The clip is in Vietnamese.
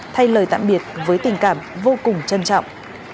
thay lời tạm biệt với tình cảm vô cùng trân trọng